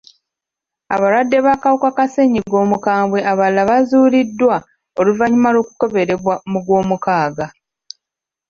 Abalwadde b'akawuka ka ssennyiga omukambwe abalala baazuulibwa oluvannyuma lw'okukeberebwa mu gw'omukaaga.